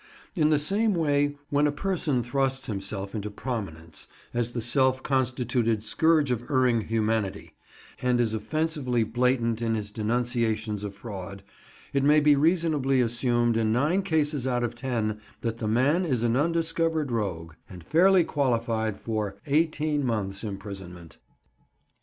In the same way, when a person thrusts himself into prominence as the self constituted scourge of erring humanity, and is offensively blatant in his denunciations of fraud, it may be reasonably assumed in nine cases out of ten that the man is an undiscovered rogue, and fairly qualified for "Eighteen months' imprisonment."